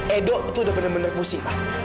edo tuh udah benar benar emosi mak